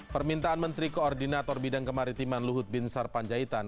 permintaan menteri koordinator bidang kemaritiman luhut bin sarpanjaitan